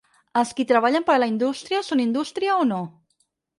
Els qui treballen per a la indústria són indústria o no?